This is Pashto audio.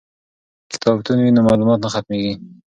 که کتابتون وي نو معلومات نه ختمیږي.